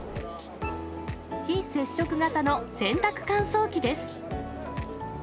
非接触型の洗濯乾燥機です。